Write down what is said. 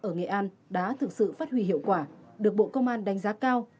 một cửa công an cấp xã ở nghệ an đã thực sự phát huy hiệu quả được bộ công an đánh giá cao